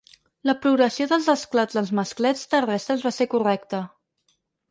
La progressió dels esclats dels masclets terrestres va ser correcta.